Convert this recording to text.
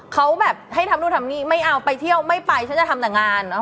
เขาแบบให้ทำนู่นทำนี่ไม่เอาไปเที่ยวไม่ไปฉันจะทำแต่งาน